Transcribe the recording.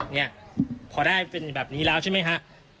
เนี่ยพอได้เป็นแบบนี้แล้วใช่ไหมฮะ